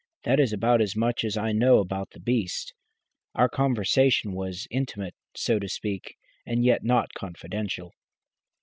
That is about as much as I know about the beast. Our conversation was intimate, so to speak, and yet not confidential."